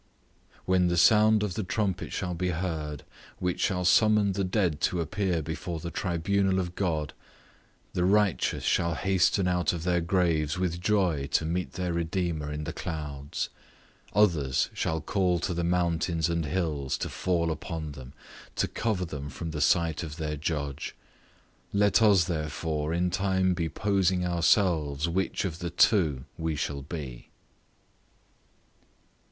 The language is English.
When the sound of the trumpet shall be heard, which shall summon the dead to appear before the tribunal of God, the righteous shall hasten out of their graves with joy to meet their Redeemer in the clouds; others shall call to the mountains and hills to fall upon them, to cover them from the sight of their judge; let us, therefore, in time be posing ourselves which of the two we shall be.